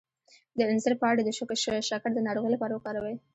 د انځر پاڼې د شکر د ناروغۍ لپاره وکاروئ